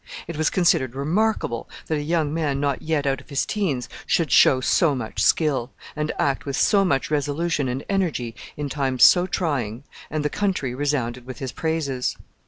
It was considered remarkable that a young man not yet out of his teens should show so much skill, and act with so much resolution and energy in times so trying, and the country resounded with his praises.